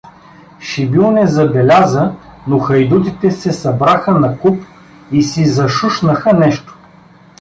Шибил не забеляза, но хайдутите се събраха накуп и си зашушнаха нещо.